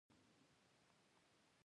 په روسي خاوره کې واده وکړ.